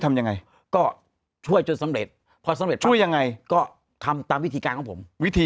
ทำยังไงก็ช่วยจนสำเร็จช่วยยังไงก็ทำตามวิธีการของผม